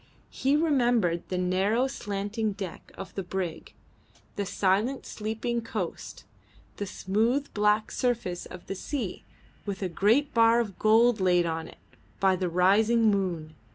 He remembered the narrow slanting deck of the brig, the silent sleeping coast, the smooth black surface of the sea with a great bar of gold laid on it by the rising moon.